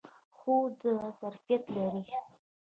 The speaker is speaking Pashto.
خوست دا ظرفیت لري.